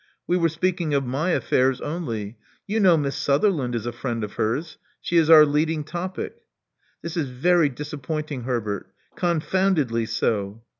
We were speaking of my affairs only. You know Miss Sutherland is a friend of hers. She is our lead ing topic." This is very disappointing, Herbert Confoundedly so."